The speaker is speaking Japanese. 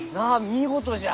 見事じゃ。